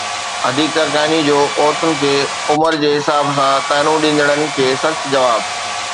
حديقہ ڪياني جو عورتن کي عمر جي حساب سان طعنو ڏيندڙن کي سخت جواب